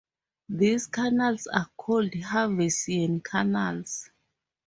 These canals are called haversian canals.